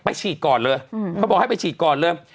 ฉีดก่อนเลยเขาบอกให้ไปฉีดก่อนเลย